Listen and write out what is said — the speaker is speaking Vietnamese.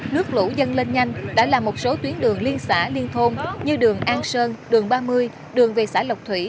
nước lũ dâng lên nhanh đã làm một số tuyến đường liên xã liên thôn như đường an sơn đường ba mươi đường về xã lộc thủy